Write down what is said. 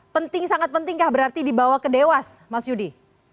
penting sangat pentingkah berarti dibawa ke dewas mas yudi